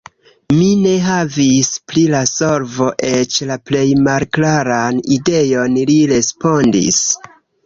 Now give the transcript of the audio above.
"Mi ne havas pri la solvo eĉ la plej malklaran ideon," li respondis.